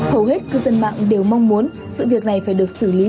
hầu hết cư dân mạng đều mong muốn sự việc này phải được xử lý